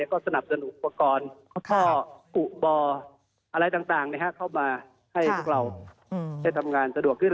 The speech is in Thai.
ก็สนับสนุกประกอบข้อกุบอะไรต่างเข้ามาให้ทุกคนทำงานสะดวกขึ้น